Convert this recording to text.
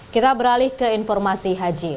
kita beralih ke informasi haji